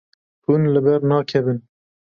Hûn li ber nakevin.